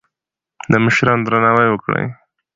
د مشرانو درناوی وکړئ.